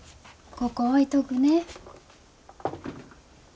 ここ置いとくね。